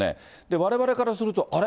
われわれからすると、あれ？